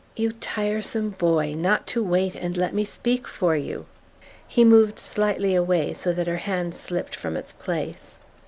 "You tiresome boy, not to wait and let me speak for you!" He moved slightly away, so that her hand slipped from its place.